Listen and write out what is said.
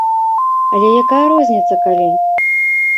Але якая розніца калі?